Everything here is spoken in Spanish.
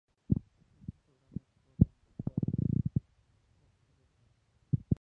Estos programas corren en hardware obsoleto.